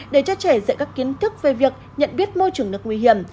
để cho trẻ dạy các kiến thức về việc nhận biết môi trường nước nguy hiểm